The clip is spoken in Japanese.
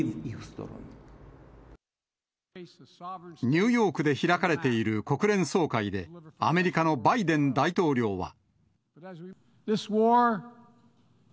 ニューヨークで開かれている国連総会で、アメリカのバイデン大統領は。